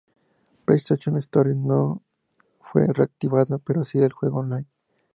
PlayStation Store no fue reactivada, pero sí el juego online.